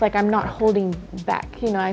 saya tidak menahan